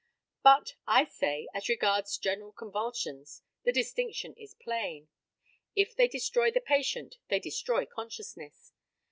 But, I say, as regards general convulsions, the distinction is plain. If they destroy the patient, they destroy consciousness.